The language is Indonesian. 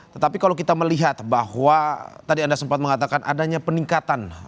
tetapi kalau kita melihat bahwa tadi anda sempat mengatakan adanya peningkatan